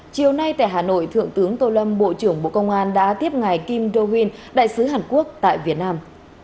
chiều nay tại hà nội thượng tướng tô lâm bộ trưởng bộ công an đã tiếp ngài kim do win đại sứ hàn quốc tại việt nam